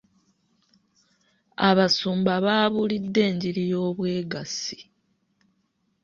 Abasumba babuulidde enjiri y'obwegassi.